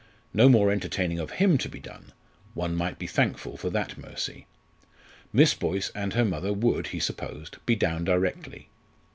No more entertaining of him to be done; one might be thankful for that mercy. Miss Boyce and her mother would, he supposed, be down directly.